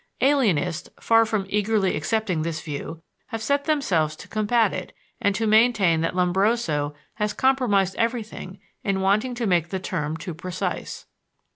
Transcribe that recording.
Alienists, far from eagerly accepting this view, have set themselves to combat it and to maintain that Lombroso has compromised everything in wanting to make the term too precise.